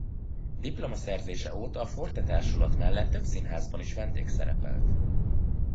Diplomaszerzése óta a Forte Társulat mellett több színházban is vendégszerepelt.